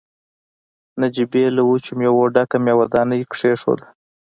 نجيبې له وچو مېوو ډکه مېوه داني کېښوده.